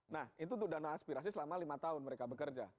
nah itu untuk dana aspirasi selama lima tahun mereka bekerja